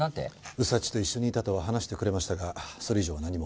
ウサっチと一緒にいたとは話してくれましたがそれ以上は何も。